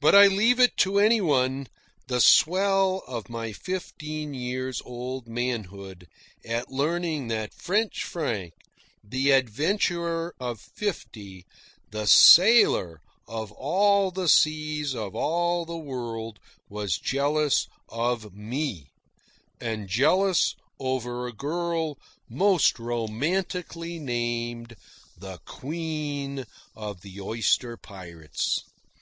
But I leave it to any one the swell of my fifteen years old manhood at learning that French Frank, the adventurer of fifty, the sailor of all the seas of all the world, was jealous of me and jealous over a girl most romantically named the Queen of the Oyster Pirates.